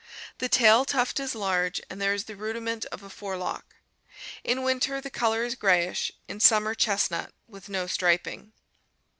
The tail tuft is large and there is the rudiment of a forelock. In winter the color is grayish, in summer chestnut, with no striping.